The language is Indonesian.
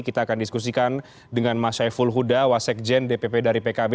kita akan diskusikan dengan mas syaful huda wasek jen dpp dari pkb